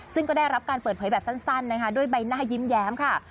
ซึ่งก็ได้รับการเปิดเผยแบบสั้นนะคะด้วยใบหน้ายิ้มแย้มค่ะ